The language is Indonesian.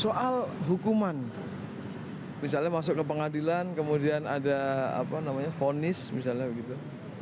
soal hukuman misalnya masuk ke pengadilan kemudian ada apa namanya vonis misalnya begitu